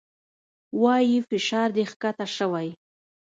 وايي فشار دې کښته شوى.